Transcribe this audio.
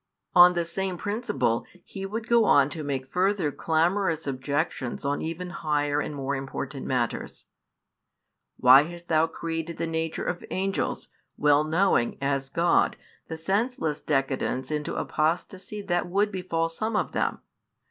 On the same principle he would go on to make further clamorous objections on even higher and more important matters: "Why hast Thou created the nature of angels, well knowing, as God, the senseless decadence into apostasy that would befal some of them?